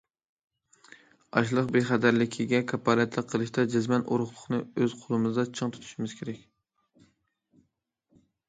ئاشلىق بىخەتەرلىكىگە كاپالەتلىك قىلىشتا جەزمەن ئۇرۇقلۇقنى ئۆز قولىمىزدا چىڭ تۇتۇشىمىز كېرەك.